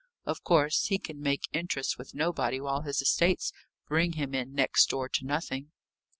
Of course he can make interest with nobody while his estates bring him in next door to nothing."